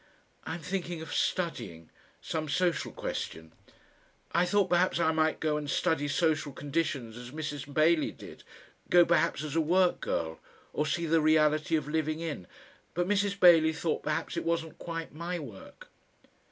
"I'm thinking of studying. Some social question. I thought perhaps I might go and study social conditions as Mrs. Bailey did, go perhaps as a work girl or see the reality of living in, but Mrs. Bailey thought perhaps it wasn't quite my work."